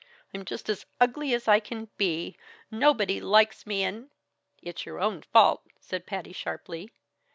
I'm just as ugly as I can be. Nobody likes me and " "It's your own fault!" said Patty sharply.